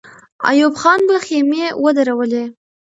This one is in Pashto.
ایوب خان به خېمې ودرولي.